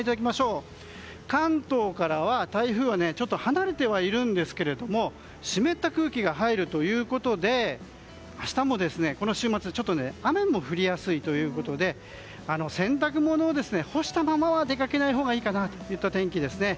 関東からは台風はちょっと離れてはいるんですけども湿った空気が入るということで明日も雨も降りやすいということで洗濯物を干したままは出かけないほうがいいかなといった天気ですかね。